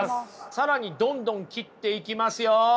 更にどんどん切っていきますよ。